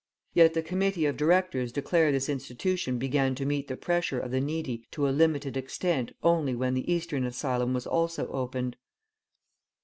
Yet the committee of directors declare this institution began to meet the pressure of the needy to a limited extent only when the Eastern Asylum also was opened.